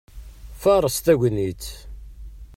Faṛeṣ tagnitt!